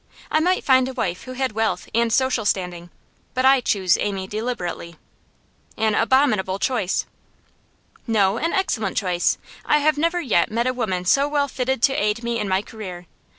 'I might find a wife who had wealth and social standing. But I choose Amy deliberately.' 'An abominable choice!' 'No; an excellent choice. I have never yet met a woman so well fitted to aid me in my career.